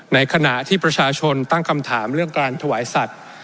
ในขณะที่ประชาชนตั้งคำถามเรื่องการถวายสัตว์